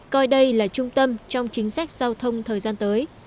coi đây là trung tâm trong chính sách giao thông thời gian tới